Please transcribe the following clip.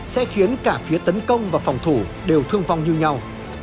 sẽ khiến cả phía tấn công và phòng thủ đều thương vong như nhau